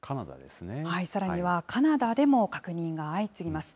さらにはカナダでも確認が相次ぎます。